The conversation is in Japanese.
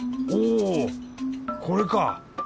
おこれか！